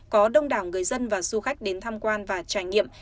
có đông đảo người dân và du khách đến tham quan và trải nghiệm